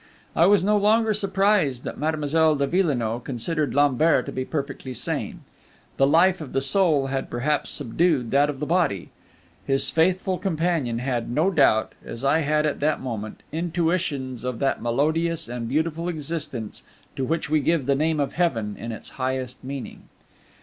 I was no longer surprised that Mademoiselle de Villenoix considered Lambert to be perfectly sane. The life of the soul had perhaps subdued that of the body. His faithful companion had, no doubt as I had at that moment intuitions of that melodious and beautiful existence to which we give the name of Heaven in its highest meaning.